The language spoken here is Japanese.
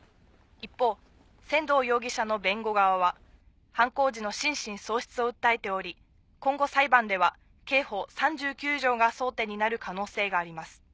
一方仙堂容疑者の弁護側は犯行時の心神喪失を訴えており今後裁判では刑法３９条が争点になる可能性があります。